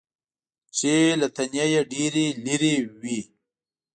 چې له تنې یې ډېرې لرې وي .